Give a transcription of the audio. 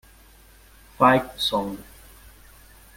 Fight Song